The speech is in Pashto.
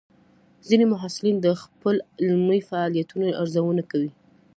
ځینې محصلین د خپل علمي فعالیتونو ارزونه کوي.